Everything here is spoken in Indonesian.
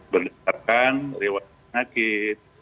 berdasarkan rewakilasi penyakit